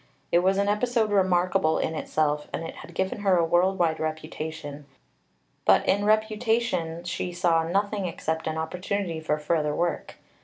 It was an episode remarkable in itself, and it had given her a world wide reputation; but in reputation she saw nothing except an opportunity for further work.